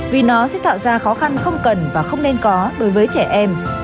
vì nó sẽ tạo ra khó khăn không cần và không nên có đối với trẻ em